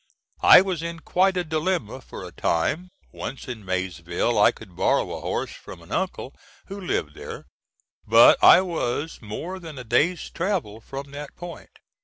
I was in quite a dilemma for a time. Once in Maysville I could borrow a horse from an uncle who lived there; but I was more than a day's travel from that point.